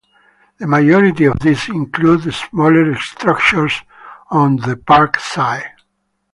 The majority of these included smaller structures on the park side.